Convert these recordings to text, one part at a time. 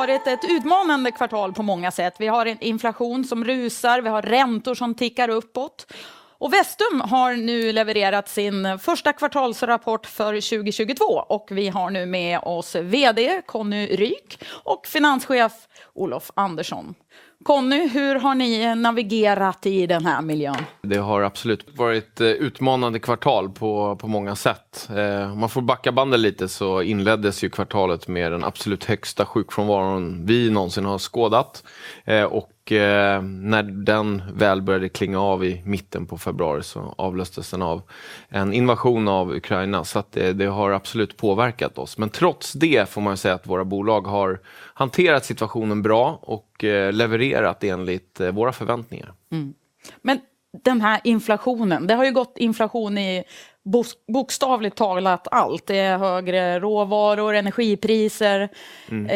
Det har varit ett utmanande kvartal på många sätt. Vi har en inflation som rusar, vi har räntor som tickar uppåt. Vestum har nu levererat sin första kvartalsrapport för 2022 och vi har nu med oss vd Conny Ryk och finanschef Olof Andersson. Conny, hur har ni navigerat i den här miljön? Det har absolut varit utmanande kvartal på många sätt. Om man får backa bandet lite så inleddes ju kvartalet med den absolut högsta sjukfrånvaron vi någonsin har skådat. Och när den väl började klinga av i mitten på februari så avlöstes den av en invasion av Ukraina. Så att det har absolut påverkat oss. Men trots det får man ju säga att våra bolag har hanterat situationen bra och levererat enligt våra förväntningar. Den här inflationen, det har ju gått inflation i bokstavligt talat allt. Det är högre råvaror, energipriser,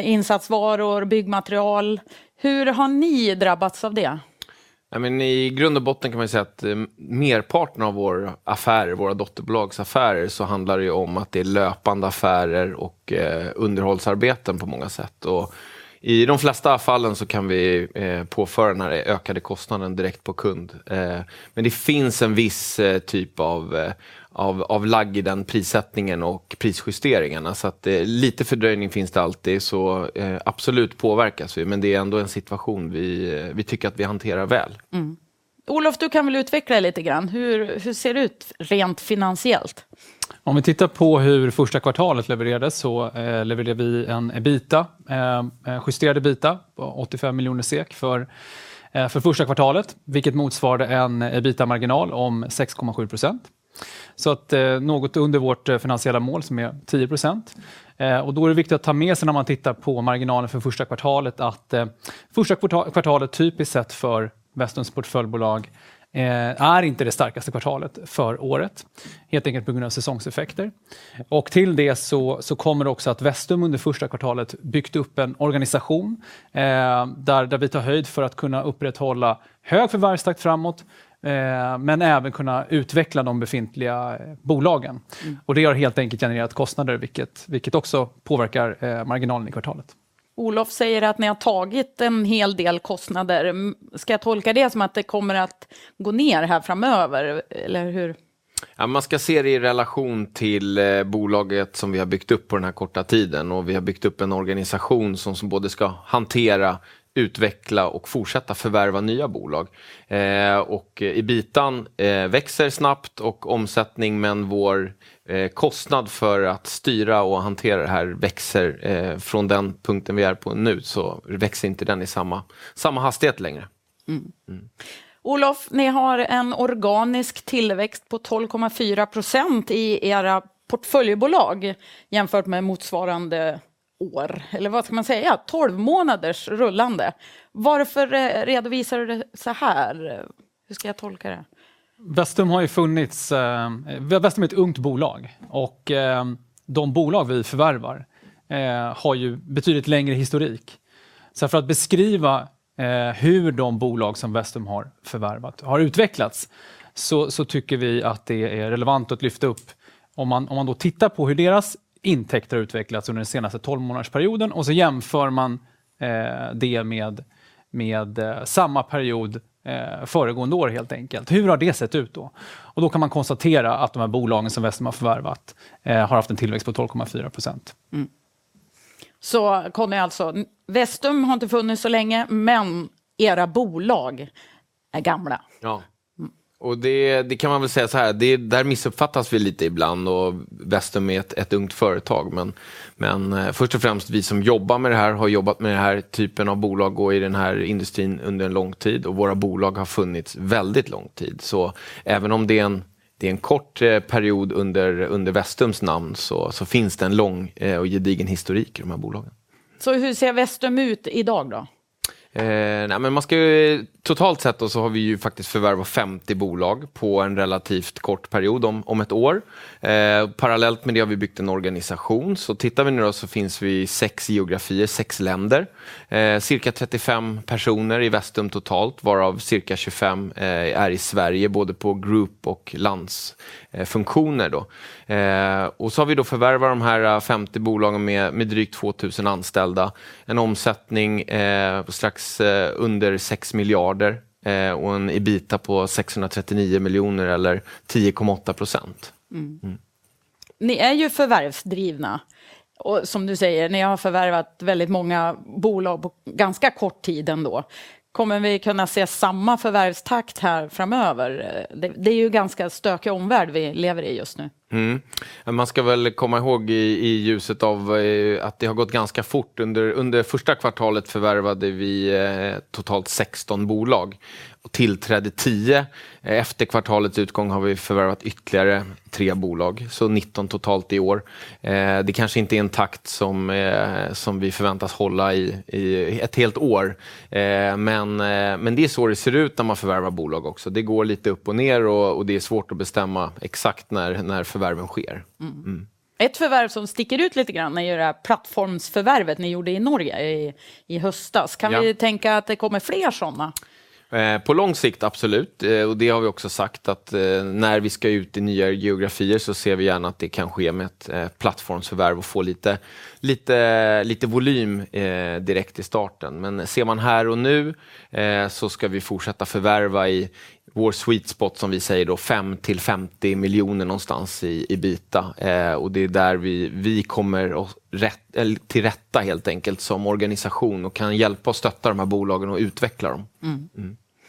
insatsvaror, byggmaterial. Hur har ni drabbats av det? I grund och botten kan man ju säga att merparten av vår affärer, våra dotterbolagsaffärer, så handlar det om att det är löpande affärer och underhållsarbeten på många sätt. I de flesta fallen så kan vi påföra den här ökade kostnaden direkt på kund. Det finns en viss typ av lag i den prissättningen och prisjusteringarna. Lite fördröjning finns det alltid. Vi påverkas absolut, men det är ändå en situation vi tycker att vi hanterar väl. Olof, du kan väl utveckla det lite grann. Hur ser det ut rent finansiellt? Om vi tittar på hur första kvartalet levererades så levererade vi en EBITDA, en justerad EBITDA på SEK 85 miljoner för första kvartalet, vilket motsvarade en EBITDA-marginal om 6.7%. Det är något under vårt finansiella mål som är 10%. Det är viktigt att ta med sig när man tittar på marginalen för första kvartalet att första kvartalet, typiskt sett för Vestums portföljbolag, är inte det starkaste kvartalet för året, helt enkelt på grund av säsongseffekter. Till det så kommer också att Vestum under första kvartalet byggt upp en organisation där vi tar höjd för att kunna upprätthålla hög förvärvstakt framåt, men även kunna utveckla de befintliga bolagen. Det har helt enkelt genererat kostnader, vilket också påverkar marginalen i kvartalet. Olof säger att ni har tagit en hel del kostnader. Ska jag tolka det som att det kommer att gå ner här framöver? Eller hur? Ja man ska se det i relation till bolaget som vi har byggt upp på den här korta tiden. Vi har byggt upp en organisation som både ska hantera, utveckla och fortsätta förvärva nya bolag. EBITDA:n växer snabbt och omsättning med vår kostnad för att styra och hantera det här växer från den punkten vi är på nu så växer inte den i samma hastighet längre. Olof, ni har en organisk tillväxt på 12.4% i era portföljbolag jämfört med motsvarande år. Eller vad ska man säga? 12 månaders rullande. Varför redovisar du det såhär? Hur ska jag tolka det? Vestum är ett ungt bolag och de bolag vi förvärvar har ju betydligt längre historik. Så för att beskriva hur de bolag som Vestum har förvärvat har utvecklats så tycker vi att det är relevant att lyfta upp. Om man då tittar på hur deras intäkter har utvecklats under den senaste 12-månadersperioden och så jämför man det med samma period föregående år helt enkelt. Hur har det sett ut då? Då kan man konstatera att de här bolagen som Vestum har förvärvat har haft en tillväxt på 12.4%. Conny alltså, Vestum har inte funnits så länge, men era bolag är gamla. Ja, och det kan man väl säga så här. Det där missuppfattas vi lite ibland och Vestum är ett ungt företag. Men först och främst, vi som jobbar med det här har jobbat med den här typen av bolag och i den här industrin under en lång tid och våra bolag har funnits väldigt lång tid. Så även om det är en kort period under Vestums namn så finns det en lång och gedigen historik i de här bolagen. Hur ser Vestum ut i dag då? Nej men man ska ju totalt sett då så har vi ju faktiskt förvärvat 50 bolag på en relativt kort period om 1 år. Parallellt med det har vi byggt en organisation. Tittar vi nu då så finns vi i 6 geografier, 6 länder. Cirka 35 personer i Vestum totalt, varav cirka 25 är i Sverige, både på group och landsfunktioner då. Vi har då förvärvat de här 50 bolagen med drygt 2,000 anställda. En omsättning strax under SEK 6 miljarder och en EBITDA på SEK 649 miljoner eller 10.8%. Ni är ju förvärvsdrivna och som du säger, ni har förvärvat väldigt många bolag på ganska kort tid ändå. Kommer vi kunna se samma förvärvstakt här framöver? Det är ju ganska stökig omvärld vi lever i just nu. Man ska väl komma ihåg i ljuset av att det har gått ganska fort under första kvartalet, förvärvade vi totalt 16 bolag och tillträdde 10. Efter kvartalets utgång har vi förvärvat ytterligare 3 bolag, så 19 totalt i år. Det kanske inte är en takt som vi förväntas hålla i ett helt år. Det är så det ser ut när man förvärvar bolag också. Det går lite upp och ner och det är svårt att bestämma exakt när förvärven sker. Ett förvärv som sticker ut lite grann är ju det här plattformsförvärvet ni gjorde i Norge i höstas. Kan vi tänka att det kommer fler sådana? På lång sikt, absolut. Det har vi också sagt att när vi ska ut i nya geografier så ser vi gärna att det kan ske med ett plattformsförvärv och få lite volym direkt i starten. Ser man här och nu så ska vi fortsätta förvärva i vår sweet spot, som vi säger då, SEK 5 million-SEK 50 million någonstans i EBITDA. Det är där vi kommer oss rätt till rätta helt enkelt som organisation och kan hjälpa och stötta de här bolagen och utveckla dem.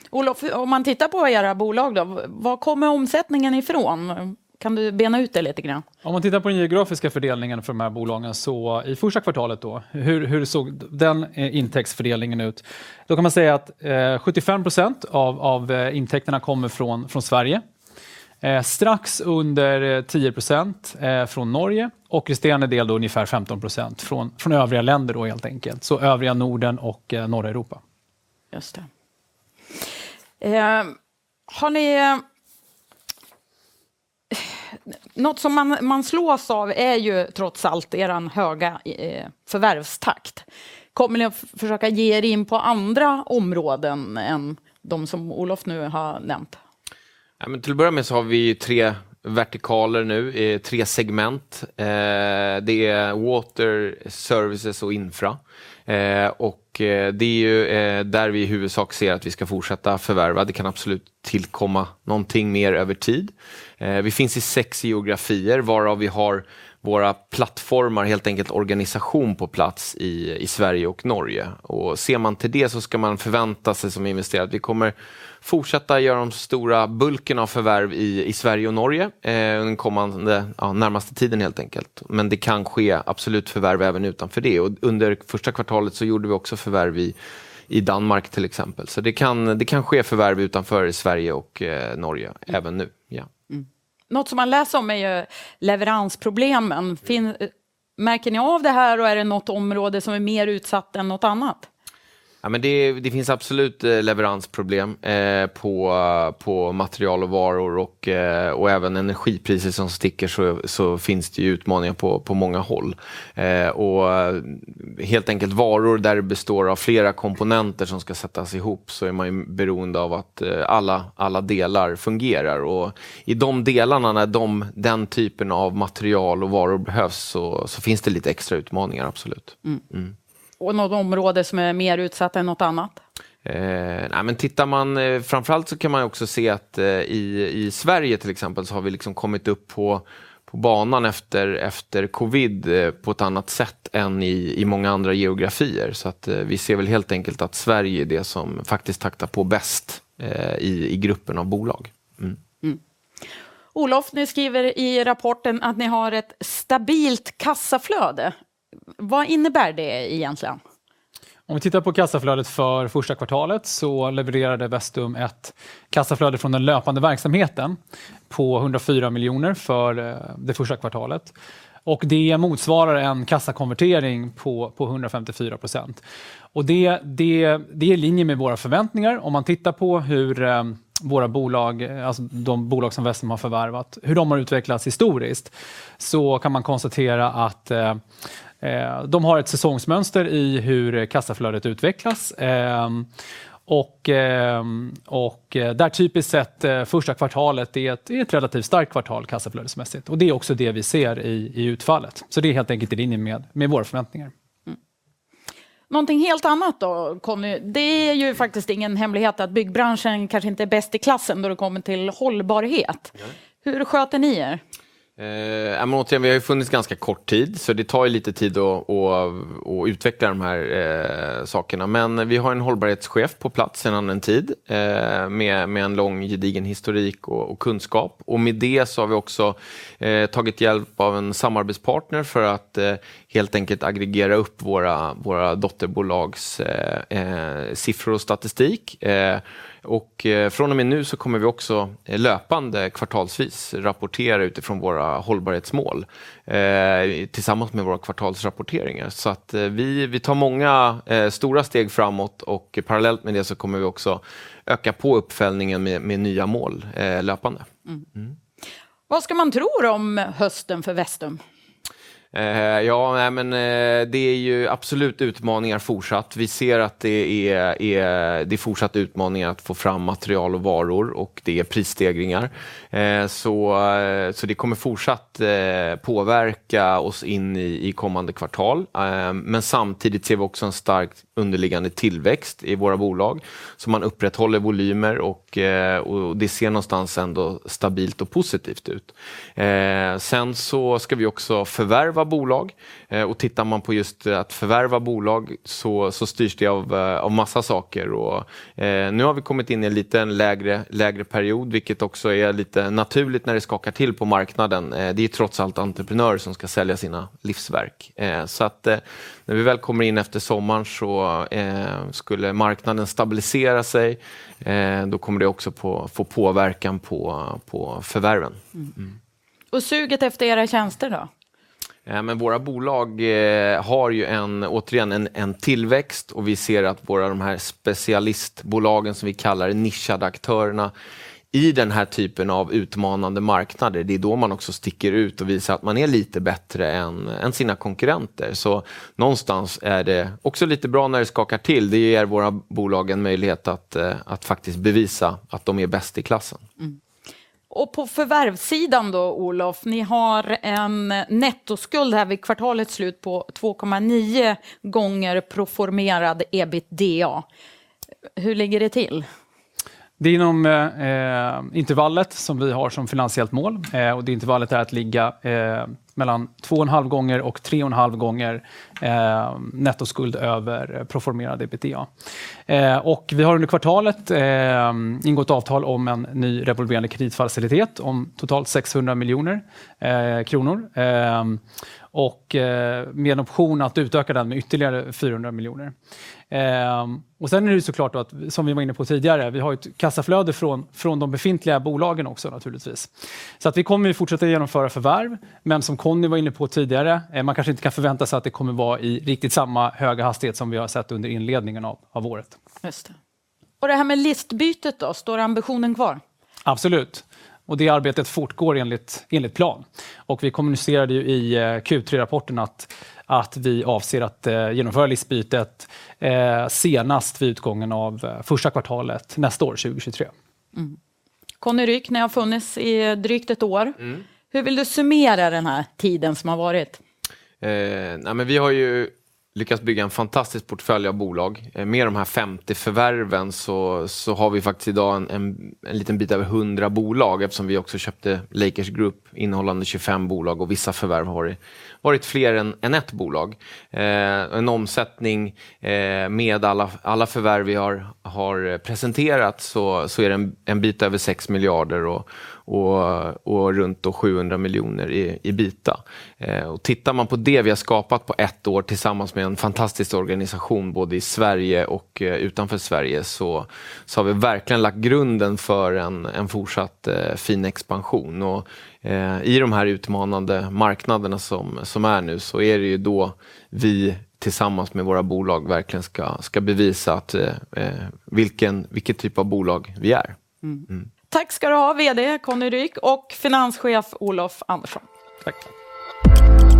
Olof, om man tittar på era bolag då, var kommer omsättningen ifrån? Kan du bena ut det lite grann? Om man tittar på den geografiska fördelningen för de här bolagen så i första kvartalet då, hur såg den intäktsfördelningen ut? Då kan man säga att 75% av intäkterna kommer från Sverige. Strax under 10% från Norge och resterande del då ungefär 15% från övriga länder då helt enkelt. Övriga Norden och norra Europa. Just det. Har ni något som man slås av är ju trots allt eran höga förvärvstakt. Kommer ni att försöka ge er in på andra områden än de som Olof nu har nämnt? Till att börja med så har vi tre vertikaler nu, tre segment. Det är Water, Services och Infrastructure. Och det är ju där vi i huvudsak ser att vi ska fortsätta förvärva. Det kan absolut tillkomma någonting mer över tid. Vi finns i sex geografier, varav vi har våra plattformar, helt enkelt organisation på plats i Sverige och Norge. Ser man till det så ska man förvänta sig som investerare att vi kommer fortsätta göra de stora bulken av förvärv i Sverige och Norge under kommande närmaste tiden helt enkelt. Det kan ske absolut förvärv även utanför det. Under första kvartalet så gjorde vi också förvärv i Danmark till exempel. Det kan ske förvärv utanför Sverige och Norge även nu. Något som man läser om är ju leveransproblemen. Märker ni av det här och är det något område som är mer utsatt än något annat? Det finns absolut leveransproblem på material och varor och även energipriser som sticker så finns det ju utmaningar på många håll. Helt enkelt varor där det består av flera komponenter som ska sättas ihop så är man ju beroende av att alla delar fungerar. I de delarna när den typen av material och varor behövs så finns det lite extra utmaningar absolut. Något område som är mer utsatt än något annat? Nej men tittar man framför allt så kan man också se att i Sverige till exempel så har vi liksom kommit upp på banan efter COVID på ett annat sätt än i många andra geografier. Att vi ser väl helt enkelt att Sverige är det som faktiskt taktar på bäst i gruppen av bolag. Olof, ni skriver i rapporten att ni har ett stabilt kassaflöde. Vad innebär det egentligen? Om vi tittar på kassaflödet för första kvartalet så levererade Vestum ett kassaflöde från den löpande verksamheten på SEK 104 miljoner för det första kvartalet. Det motsvarar en kassakonvertering på 154%. Det är i linje med våra förväntningar. Om man tittar på hur våra bolag, alltså de bolag som Vestum har förvärvat, hur de har utvecklats historiskt, så kan man konstatera att de har ett säsongsmönster i hur kassaflödet utvecklats. Där typiskt sett första kvartalet är ett relativt starkt kvartal kassaflödesmässigt. Det är också det vi ser i utfallet. Det är helt enkelt i linje med våra förväntningar. Någonting helt annat då Conny Ryk. Det är ju faktiskt ingen hemlighet att byggbranschen kanske inte är bäst i klassen då det kommer till hållbarhet. Hur sköter ni er? Återigen, vi har ju funnits ganska kort tid, så det tar ju lite tid att utveckla de här sakerna. Vi har en hållbarhetschef på plats sedan en tid, med en lång gedigen historik och kunskap. Med det så har vi också tagit hjälp av en samarbetspartner för att helt enkelt aggregera upp våra dotterbolags siffror och statistik. Från och med nu så kommer vi också löpande kvartalsvis rapportera utifrån våra hållbarhetsmål, tillsammans med våra kvartalsrapporteringar. Vi tar många stora steg framåt och parallellt med det så kommer vi också öka på uppföljningen med nya mål löpande. Vad ska man tro om hösten för Vestum? Det är ju absolut utmaningar fortsatt. Vi ser att det är fortsatta utmaningar att få fram material och varor och det är prisstegringar. Det kommer fortsatt påverka oss in i kommande kvartal. Men samtidigt ser vi också en stark underliggande tillväxt i våra bolag. Man upprätthåller volymer och det ser någonstans ändå stabilt och positivt ut. Vi ska också förvärva bolag och tittar man på just att förvärva bolag så styrs det av massa saker. Nu har vi kommit in i en liten lägre period, vilket också är lite naturligt när det skakar till på marknaden. Det är trots allt entreprenörer som ska sälja sina livsverk. När vi väl kommer in efter sommaren skulle marknaden stabilisera sig. Då kommer det också ha få påverkan på förvärven. Suget efter era tjänster då? Nej men våra bolag har ju en, återigen, en tillväxt och vi ser att våra de här specialistbolagen som vi kallar det, nischade aktörerna, i den här typen av utmanande marknader, det är då man också sticker ut och visar att man är lite bättre än sina konkurrenter. Så någonstans är det också lite bra när det skakar till. Det ger våra bolag en möjlighet att faktiskt bevisa att de är bäst i klassen. På förvärvssidan då, Olof, ni har en nettoskuld här vid kvartalets slut på 2.9 gånger proformerad EBITDA. Hur ligger det till? Det är inom intervallet som vi har som finansiellt mål och det intervallet är att ligga mellan 2.5 gånger och 3.5 gånger nettoskuld över proformerad EBITDA. Vi har under kvartalet ingått avtal om en ny revolverande kreditfacilitet om totalt SEK 600 miljoner och med en option att utöka den med ytterligare SEK 400 miljoner. Sen är det så klart att som vi var inne på tidigare, vi har ett kassaflöde från de befintliga bolagen också naturligtvis. Att vi kommer fortsätta genomföra förvärv, men som Conny var inne på tidigare, man kanske inte kan förvänta sig att det kommer att vara i riktigt samma höga hastighet som vi har sett under inledningen av året. Just det. Det här med listbytet då, står ambitionen kvar? Absolut. Det arbetet fortgår enligt plan. Vi kommunicerade ju i Q3-rapporten att vi avser att genomföra listbytet senast vid utgången av första kvartalet nästa år, 2023. Conny Ryk, ni har funnits i drygt ett år. Hur vill du summera den här tiden som har varit? Vi har ju lyckats bygga en fantastisk portfölj av bolag. Med de här 50 förvärven så har vi faktiskt i dag en liten bit över 100 bolag eftersom vi också köpte Lakers Group innehållande 25 bolag och vissa förvärv har varit fler än ett bolag. En omsättning med alla förvärv vi har har presenterat så är det en bit över SEK 6 miljarder och runt sjuhundra miljoner i EBITDA. Tittar man på det vi har skapat på ett år tillsammans med en fantastisk organisation både i Sverige och utanför Sverige, så har vi verkligen lagt grunden för en fortsatt fin expansion. I de här utmanande marknaderna som är nu så är det ju då vi tillsammans med våra bolag verkligen ska bevisa att vilket typ av bolag vi är. Tack ska du ha, VD Conny Ryk och finanschef Olof Andersson. Tack